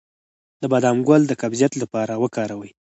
د بادام ګل د قبضیت لپاره وکاروئ